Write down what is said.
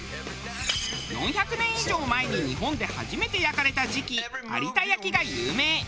４００年以上前に日本で初めて焼かれた磁器有田焼が有名。